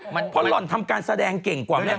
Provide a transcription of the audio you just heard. เพราะหล่อนทำการแสดงเก่งกว่าแม่